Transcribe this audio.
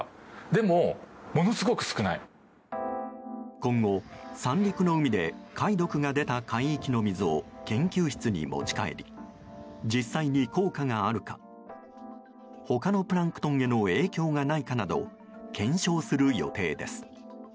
今後、三陸の海で貝毒が出た海域の水を研究室に持ち帰り実際に効果があるか他のプランクトンへの影響がないかなど検証する予定です。